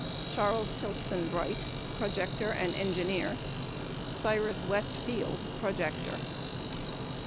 Charles Tilston Bright (Projector and Engineer). Cyrus West Field (Projector).